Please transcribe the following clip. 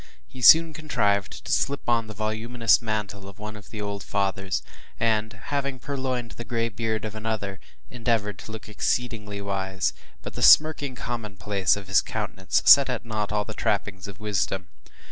He soon contrived to slip on the voluminous mantle of one of the old fathers, and having purloined the gray beard of another, endeavored to look exceedingly wise; but the smirking commonplace of his countenance set at naught all the trappings of wisdom.